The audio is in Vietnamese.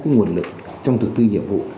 nguồn lực trong thực tư nhiệm vụ